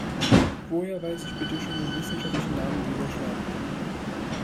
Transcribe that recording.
Woher weiß ich bitteschön den wissenschaftlichen Namen dieser Schlange?